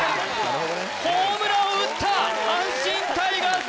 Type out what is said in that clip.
なるほどねホームランを打った阪神タイガース